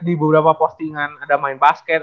di beberapa postingan ada main basket